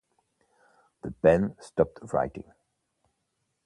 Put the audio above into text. The pen stopped writing.